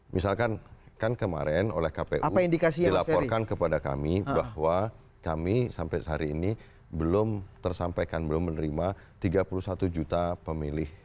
misalkan kan kemarin oleh kpu dilaporkan kepada kami bahwa kami sampai hari ini belum tersampaikan belum menerima tiga puluh satu juta pemilih